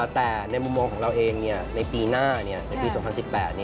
แต่ในมุมมองของเราเองในปีหน้าในปี๒๐๑๘